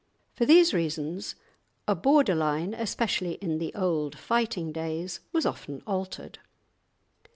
For these reasons a border line, especially in the old fighting days, was often altered.